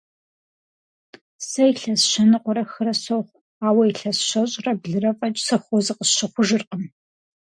Сэ илъэс щэныкъуэрэ хырэ сохъу, ауэ илъэс щэщӏрэ блырэ фӏэкӏ сыхъуу зыкъысщыхъужыркъым.